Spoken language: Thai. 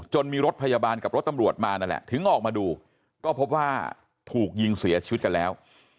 มีรถพยาบาลกับรถตำรวจมานั่นแหละถึงออกมาดูก็พบว่าถูกยิงเสียชีวิตกันแล้ว